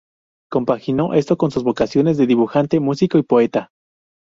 Compaginó esto con sus vocaciones de dibujante, músico y poeta.